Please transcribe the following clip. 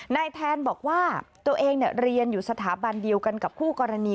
แทนบอกว่าตัวเองเรียนอยู่สถาบันเดียวกันกับคู่กรณี